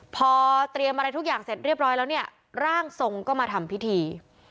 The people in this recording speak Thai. พอเตรียมอะไรทุกอย่างเสร็จเรียบร้อยแล้วเนี่ยร่างทรงก็มาทำพิธี